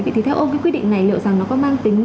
vậy thì theo ông cái quy định này liệu rằng nó có mang tính